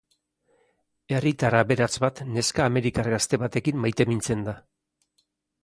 Herritar aberats bat neska amerikar gazte batekin maitemintzen da.